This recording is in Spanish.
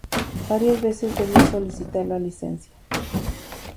Varias veces debió solicitar licencia.